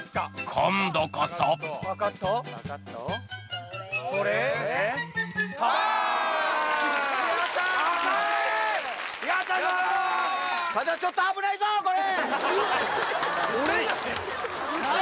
今度こそただ、ちょっと危ないぞ、これ！